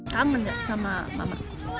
kangen gak sama mama